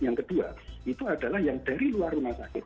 yang kedua itu adalah yang dari luar rumah sakit